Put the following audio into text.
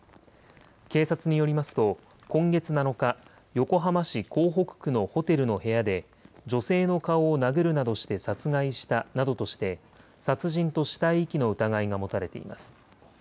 警察によりますと、今月７日、横浜市港北区のホテルの部屋で、女性の顔を殴るなどして殺害したなどとして、殺人と死体遺棄の疑いが持たれています。